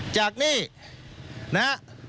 จากนี่นะฮะ